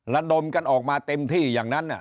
ระดมกันออกมาเต็มที่อย่างนั้น